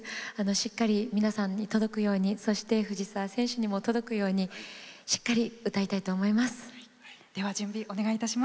しっかり皆さんに届くようにそして、藤澤選手にも届くようにしっかり歌いたいと思います。